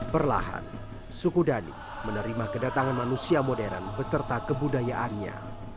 perlahan suku dhani menerima kedatangan manusia modern beserta kebudayaannya